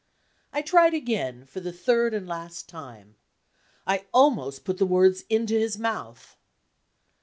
I tried again for the third and last time. I almost put the words into his mouth.